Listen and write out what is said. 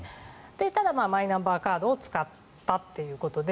ただマイナンバーカードを使ったということで。